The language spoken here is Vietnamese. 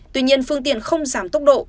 tuy nhiên phương tiện không giảm tốc độ